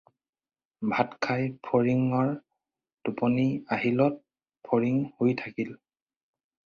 ভাত খাই ফৰিঙৰ টোপনি আহিলত ফৰিং শুই থাকিল।